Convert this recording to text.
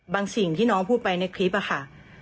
สิ่งที่น้องพูดไปในคลิปอะค่ะ